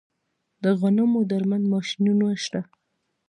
د غنمو درمند ماشینونه شته